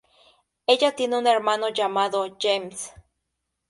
Ella tiene un hermano llamado James.